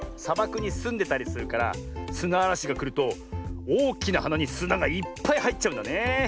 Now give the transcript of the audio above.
さばくにすんでたりするからすなあらしがくるとおおきなはなにすながいっぱいはいっちゃうんだねえ。